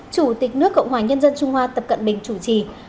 chủ tịch nước cộng hòa nhân dân trung hoa tập cận bình chủ trì